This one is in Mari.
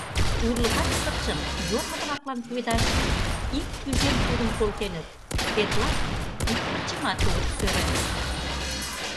Урлыкаш пырчым йорло-влаклан пуэдаш ик тӱжем пудым колтеныт, тетла ик пырчымат огыт сӧрӧ.